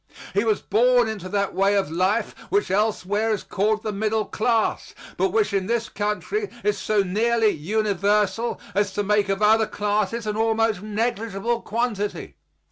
He was born into that way of life which elsewhere is called the middle class, but which in this country is so nearly universal as to make of other classes an almost negligible quantity.